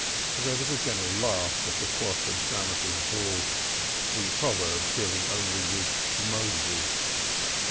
There was a general laugh at the Shalotten Shammos's bull; the proverb dealing only with Moseses.